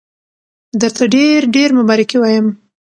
درته ډېر ډېر مبارکي وایم.